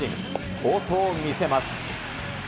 好投を見せます。